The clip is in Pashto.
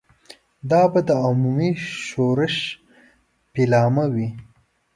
دا به د عمومي ښورښ پیلامه وي.